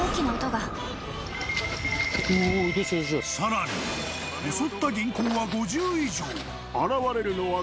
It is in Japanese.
更に、襲った銀行は５０以上。